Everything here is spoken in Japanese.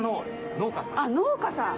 農家さん。